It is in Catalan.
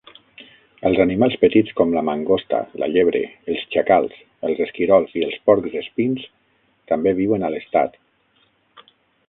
Els animals petits com la mangosta, la llebre, els xacals, els esquirols i els porcs espins també viuen a l'Estat.